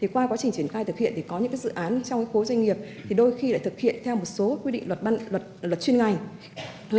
qua quá trình triển khai thực hiện có những dự án trong khối doanh nghiệp đôi khi lại thực hiện theo một số quy định luật chuyên ngành